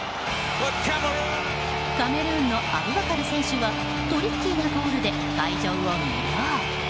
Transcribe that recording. カメルーンのアブバカル選手はトリッキーなゴールで会場を魅了。